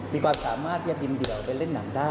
มีความสามารถที่จะบินเดี่ยวไปเล่นหนังได้